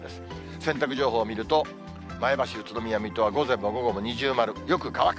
洗濯情報を見ると、前橋、宇都宮、水戸は午前も午後も二重丸、よく乾く。